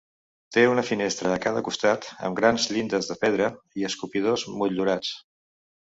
Té una finestra a cada costat amb grans llindes de pedra i escopidors motllurats.